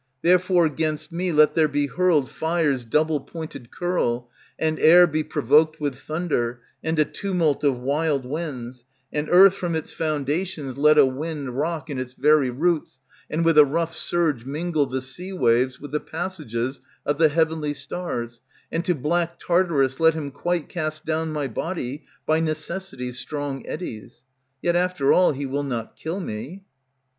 Therefore 'gainst me let there be hurled Fire's double pointed curl, and air Be provoked with thunder, and a tumult Of wild winds; and earth from its foundations Let a wind rock, and its very roots, And with a rough surge mingle The sea waves with the passages Of the heavenly stars, and to black Tartarus let him quite cast down my Body, by necessity's strong eddies. Yet after all he will not kill me.